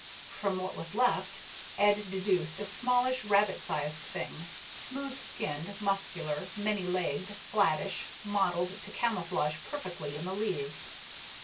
From what was left, Ed deduced a smallish, rabbit sized thing, smooth skinned, muscular, many legged, flattish, mottled to camouflage perfectly in the leaves.